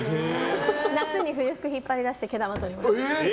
夏に冬服引っ張り出して毛玉取ります。